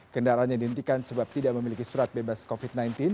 kendaraannya dihentikan sebab tidak memiliki surat bebas covid sembilan belas